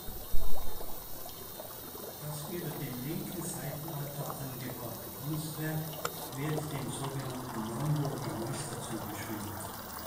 Das über dem linken Seitenaltar angebrachte Kunstwerk wird dem sogenannten Naumburger Meister zugeschrieben.